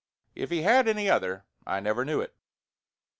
If he had any other, I never knew it.